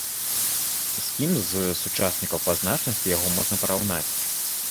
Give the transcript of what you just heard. З кім з сучаснікаў па значнасці яго можна параўнаць?